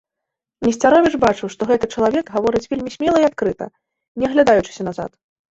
Несцяровіч бачыў, што гэты чалавек гаворыць вельмі смела і адкрыта, не аглядаючыся назад.